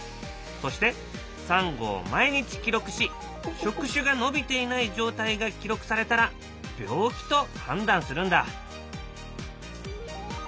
そしてサンゴを毎日記録し触手が伸びていない状態が記録されたら病気と判断するんだ。